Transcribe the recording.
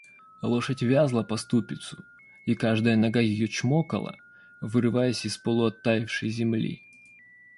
Лошадь вязла по ступицу, и каждая нога ее чмокала, вырываясь из полуоттаявшей земли.